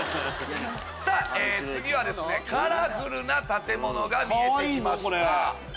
さぁ次はカラフルな建物が見えてきました。